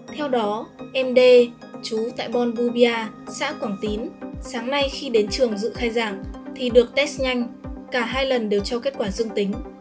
theo đó md chú tại bonbubia xã quảng tín sáng nay khi đến trường dự khai giảng thì được test nhanh cả hai lần đều cho kết quả dương tính